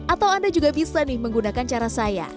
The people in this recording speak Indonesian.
atau anda juga bisa nih menggunakan cara saya